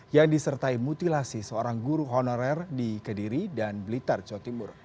yang disertai mutilasi seorang guru honorer di kediri dan blitar jawa timur